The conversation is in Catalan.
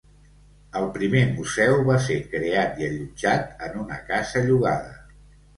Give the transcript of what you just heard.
El primer museu va ser creat i allotjat en una casa llogada.